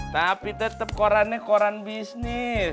tapi tetap korannya koran bisnis